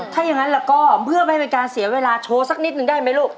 ถ้าอย่างนั้นแล้วก็เพื่อไม่เป็นการเสียเวลาโชว์สักนิดนึงได้ไหมลูก